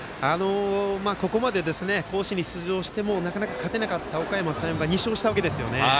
ここまで甲子園に出場してもなかなか勝てなかったおかやま山陽が２勝したわけですよね。